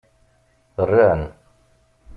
Rran.